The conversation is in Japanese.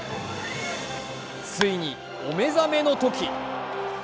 ついにお目覚めのとき。